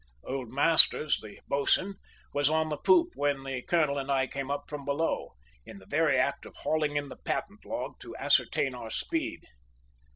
Old Masters, the boatswain, was on the poop when the colonel and I came up from below, in the very act of hauling in the patent log to ascertain our speed.